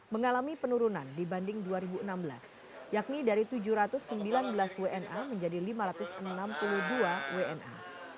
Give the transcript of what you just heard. mengalami penurunan dibanding dua ribu enam belas yakni dari tujuh ratus sembilan belas wna menjadi lima ratus enam puluh dua wna